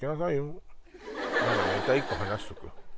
何かネタ１個話しとく？